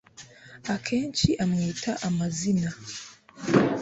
Akenshi amwita amazina